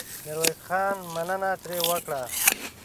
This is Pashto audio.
ميرويس خان مننه ترې وکړه.